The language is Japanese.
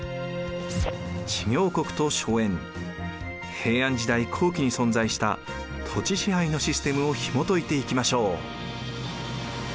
平安時代後期に存在した土地支配のシステムをひもといていきましょう。